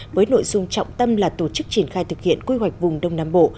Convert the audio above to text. với nội dung trọng tâm là tổ chức triển khai thực hiện quy hoạch vùng đông nam bộ